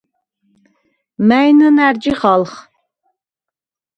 მა̈ჲ ნჷნა̈რ ჯიხალხ?